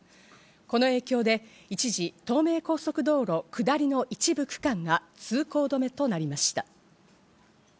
この影響で一時、東名高速道路下りの一部区間が通行止めとなりました。